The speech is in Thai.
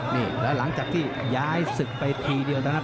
นี่แล้วหลังจากที่ย้ายศึกไปทีเดียวนะครับ